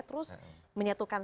terus menyatukan semuanya